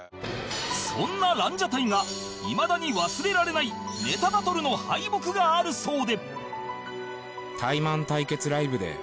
そんなランジャタイがいまだに忘れられないネタバトルの敗北があるそうで